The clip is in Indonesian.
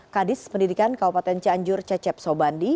kadis pendidikan kabupaten cianjur cecep sobandi